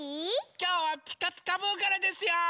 きょうは「ピカピカブ！」からですよ！